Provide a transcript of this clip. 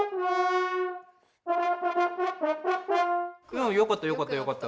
うんよかったよかったよかった。